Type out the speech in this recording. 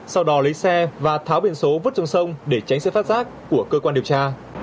sau đó lấy xe và tháo biển số vứt xuống sông để tránh sự phát giác của cơ quan điều tra